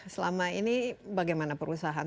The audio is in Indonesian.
selama ini bagaimana perusahaan